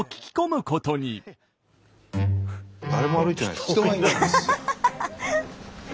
誰も歩いてない。